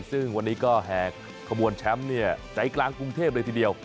ซึ่งวันนี้ก็แห่ขบวนแชมป์ใจกลางกรุงเทพเลยทีเดียว